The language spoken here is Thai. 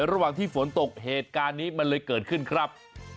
ระหว่างที่ฝนตกเหตุการณ์นี้มันเลยเกิดขึ้นครับ